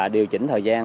điều chỉnh thời gian